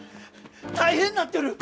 大変なってる！